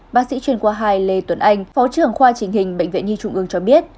bác sĩ chuyên khoa hai lê tuấn anh phó trưởng khoa trình hình bệnh viện nhi trung ương cho biết